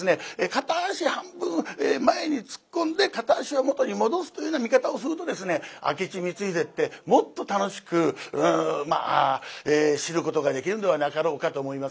片足半分前に突っ込んで片足は元に戻すというような見方をするとですね明智光秀ってもっと楽しく知ることができるんではなかろうかと思いますね。